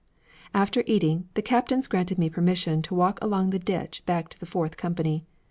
After eating, the captains granted me permission to walk along the ditch back to the fourth company.